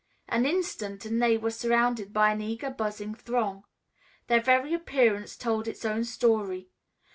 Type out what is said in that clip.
An instant and they were surrounded by an eager, buzzing throng. Their very appearance told its own story.